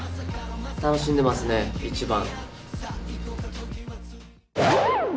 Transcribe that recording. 楽しんでますね、一番。